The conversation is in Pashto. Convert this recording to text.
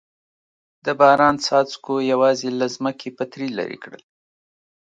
د باران څاڅکو یوازې له ځمکې پتري لرې کړل.